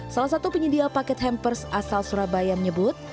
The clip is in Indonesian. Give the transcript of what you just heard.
salah satu penyedia paket hampers asal surabaya menyebut